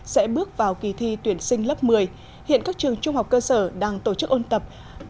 sẽ bước vào kỳ thi tuyển sinh lớp một mươi hiện các trường trung học cơ sở đang tổ chức ôn tập